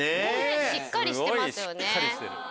しっかりしてますよね。